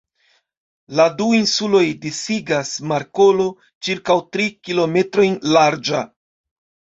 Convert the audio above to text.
La du insulojn disigas markolo ĉirkaŭ tri kilometrojn larĝa.